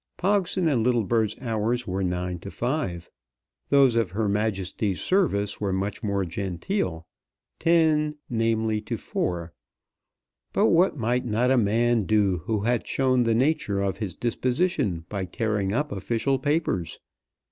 Pogson and Littlebird's hours were 9 to 5. Those of Her Majesty's Service were much more genteel; 10 namely to 4. But what might not a man do who had shown the nature of his disposition by tearing up official papers?